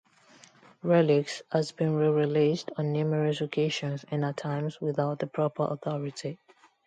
"Relics" has been rereleased on numerous occasions, and at times without the proper authority.